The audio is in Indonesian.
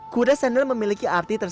kuda sengel memiliki artianan